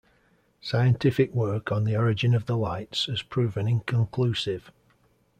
Scientific work on the origin of the lights has proven inconclusive.